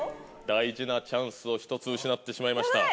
大事なチャンスを１つ失ってしまいました。